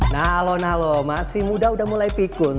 nah lho masih muda udah mulai pikun